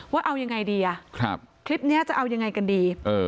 ว่าเอายังไงดีคลิปนี้จะเอายังไงกันดี